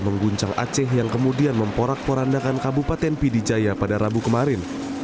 mengguncang aceh yang kemudian memporak porandakan kabupaten pidijaya pada rabu kemarin